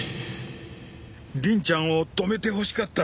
凛ちゃんを止めてほしかった。